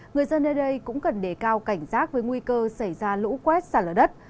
người dân nơi đây cũng cần đề cao cảnh giác với nguy cơ xảy ra lũ quét xả lở đất